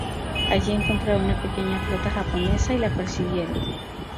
Allí encontraron una pequeña flota japonesa y la persiguieron.